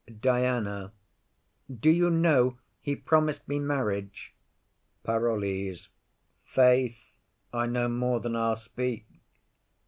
DIANA. Do you know he promised me marriage? PAROLLES. Faith, I know more than I'll speak.